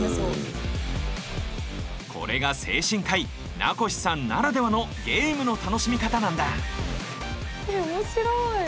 これが精神科医名越さんならではのゲームの楽しみ方なんだえっ面白い！